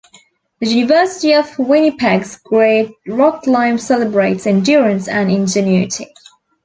The University of Winnipeg's Great Rock Climb celebrates endurance and ingenuity.